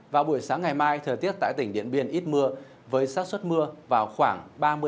vào buổi sáng ngày mai thời tiết tại tỉnh điện biên ít mưa với sát xuất mưa vào khoảng ba mươi